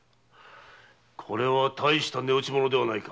これは大した値打ちものではないか。